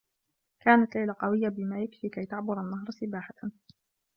كانت ليلى قويّة بما يكفي كي تعبر النّهر سباحة.